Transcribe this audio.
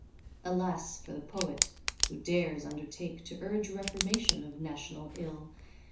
Alas for the Poet, who dares undertake To urge reformation of national ill!